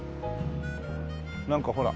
なんかほら。